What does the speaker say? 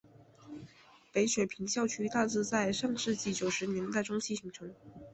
北雪平校区大致在上世纪九十年代中期形成。